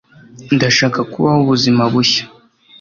ndashaka kubaho ubuzima bushya